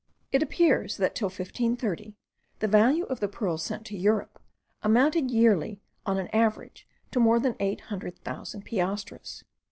It appears that till 1530 the value of the pearls sent to Europe amounted yearly on an average to more than eight hundred thousand piastres.